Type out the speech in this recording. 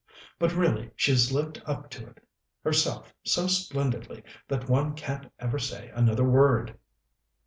But, really, she's lived up to it herself so splendidly that one can't ever say another word."